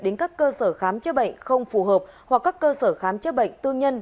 đến các cơ sở khám chế bệnh không phù hợp hoặc các cơ sở khám chế bệnh tư nhân